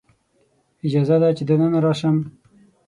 اجازه ده چې دننه راشم؟